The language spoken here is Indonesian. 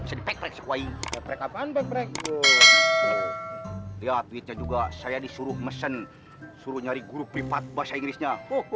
oh ya kita juga saya disuruh mesen suruh nyari guru pripat bahasa inggrisnya